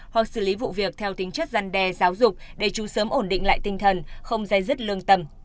hoặc xử lý vụ việc theo tính chất gian đe giáo dục để chú sớm ổn định lại tinh thần không dây dứt lương tâm